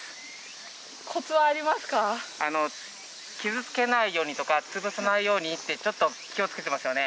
傷つけないようにとかつぶさないようにってちょっと気をつけてますよね。